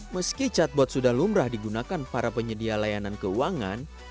meski chatbot sudah lumrah digunakan para penyedia layanan keuangan